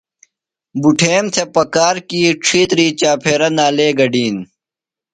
بُٹھیم تھےۡ پکار کی ڇِھیتری چاپھیرہ نالے گڈِین۔